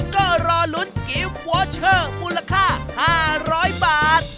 ก็รอลุ้นกิฟต์วอเชอร์มูลค่า๕๐๐บาท